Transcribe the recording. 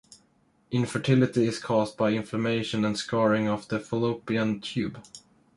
Infertility is caused by inflammation and scarring of the fallopian tube.